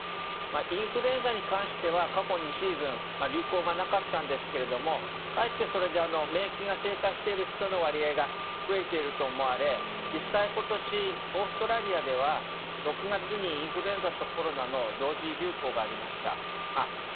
インフルエンザに関しては過去２シーズン流行がなかったんですがかえって、それで免疫が低下している人の割合が増えていると思われ実際、今年オーストラリアでは６月にインフルエンザとコロナの同時流行がありました。